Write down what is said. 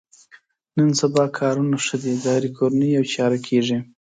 نن سبا کارونه ښه دي د هرې کورنۍ یوه چاره کېږي.